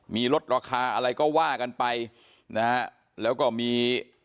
มีลดราคาอะไรก็ว่ากันไปนะฮะแล้วก็มี